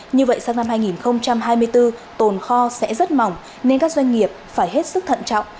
như vậy sang năm hai nghìn hai mươi bốn tồn kho sẽ rất mỏng nên các doanh nghiệp phải hết sức thận trọng